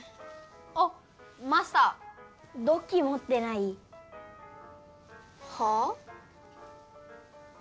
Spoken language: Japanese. あっマスター土器もってない？はあ？